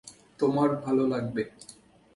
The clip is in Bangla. তোমার ভালো লাগবে।